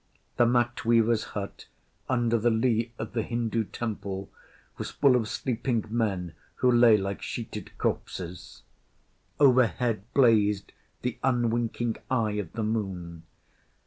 The mat weaver’s hut under the lee of the Hindu temple was full of sleeping men who lay like sheeted corpses. Overhead blazed the unwinking eye of the Moon.